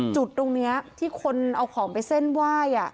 จุดตรงนี้ที่คนเอาของไปเส้นไหว้